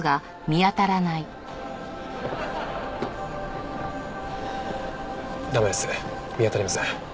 見当たりません。